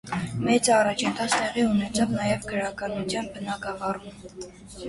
Մեծ առաջընթաց տեղի ունեցավ նաև գրականության բնագավառում։